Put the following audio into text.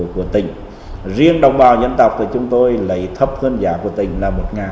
của tỉnh riêng đồng bào dân tộc thì chúng tôi lấy thấp hơn giá của tỉnh là một